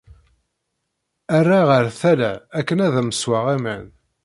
ara ɣer tala akken ad am ssweɣ aman. »